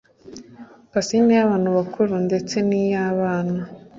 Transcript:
Piscine y’abantu bakuru ndetse n’iy’abana